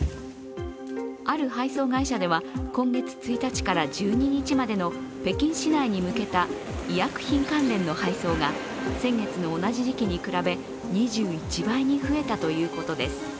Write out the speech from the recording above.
ある配送会社では、今月１日から１２日までの北京市内に向けた医薬品関連の配送が先月の同じ時期に比べ２１倍に増えたということです。